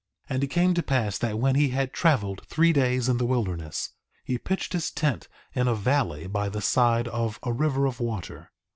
2:6 And it came to pass that when he had traveled three days in the wilderness, he pitched his tent in a valley by the side of a river of water.